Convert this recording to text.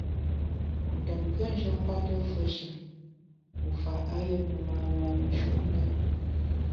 Wu tùm nkùnjù nkwete fùeshe wu fa ayùe ne lâre nshutndap.